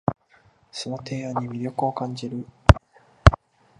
その提案に魅力を感じる